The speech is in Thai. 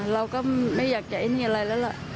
เราก็ไม่อยากจะไอ้นี่อะไรแล้วล่ะ